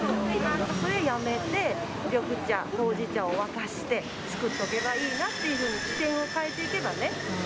それやめて、緑茶、ほうじ茶を沸かして、作っとけばいいなっていうふうに視点を変えていけばね。